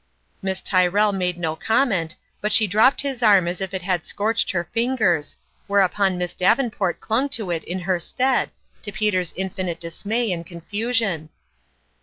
" Miss Tyrrell made no comment, but she dropped his arm as if it had scorched her fingers, whereupon Miss Davenport clung to it in her stead, to Peter's infinite dismay and con fusion.